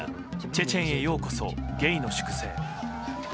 「チェチェンへようこそ‐ゲイの粛清‐」。